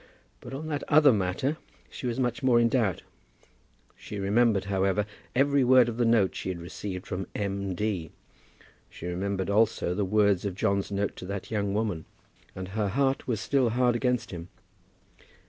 But on that other matter she was much more in doubt. She remembered, however, every word of the note she had received from M. D. She remembered also the words of John's note to that young woman. And her heart was still hard against him.